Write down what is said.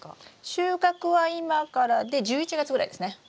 収穫は今からで１１月ぐらいですね。